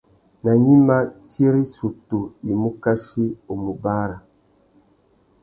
Nà gnïma, tsi râ issutu i mù kachi u mù bàrrâ.